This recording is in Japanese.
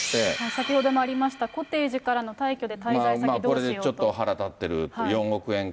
先ほどもありました、コテージからの退去で滞在先はどうしよこれでちょっと腹立ってるっ